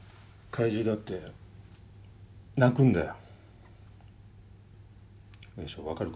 怪獣だってな泣きたいんだよ。